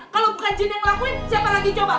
kalau bukan jin yang ngelakuin siapa lagi coba